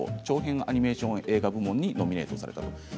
アニメーション映画部門にノミネートされた作品です。